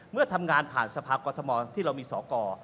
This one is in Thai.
เมื่อทำงานผ่านสภากรทมที่เรามีสอกร